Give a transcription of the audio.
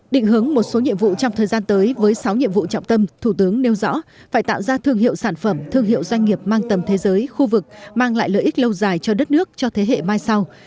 định hướng một số nhiệm vụ trong thời gian tới với sáu nhiệm vụ trọng tâm thủ tướng nêu rõ phải tạo ra thương hiệu sản phẩm thương hiệu doanh nghiệp mang tầm thế giới khu vực mang lại lợi ích lâu dài cho đất nước cho thế hệ mai sau